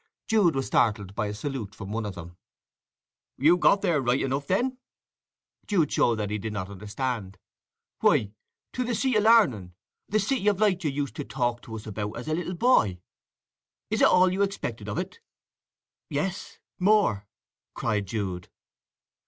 Jude was startled by a salute from one of them: "Ye've got there right enough, then!" Jude showed that he did not understand. "Why, to the seat of l'arning—the 'City of Light' you used to talk to us about as a little boy! Is it all you expected of it?" "Yes; more!" cried Jude.